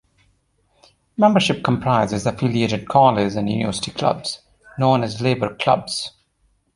Membership comprises affiliated college and university clubs, known as Labour Clubs.